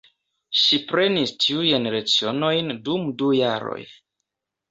Ŝi prenis tiujn lecionojn dum du jaroj.